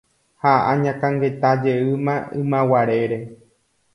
ha añakãngetajeýma ymaguarére